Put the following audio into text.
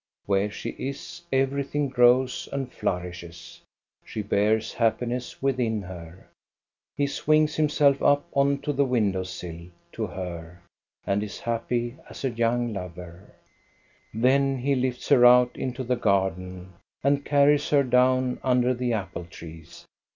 Where she is, everything grows and flourishes. She bears happiness within her. He swings himself up on to the window sill to her, and is happy as a young lover. 296 THE STORY OF GOSTA BERLING Then he lifts her out into the garden and carries her down under the apple trees.